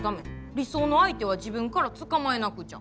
理想の相手は自分からつかまえなくちゃ。